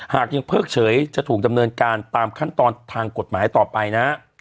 หากยังเพิกเฉยจะถูกดำเนินการตามขั้นตอนทางกฎหมายต่อไปนะ